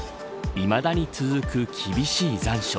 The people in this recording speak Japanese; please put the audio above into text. いまだに続く厳しい残暑。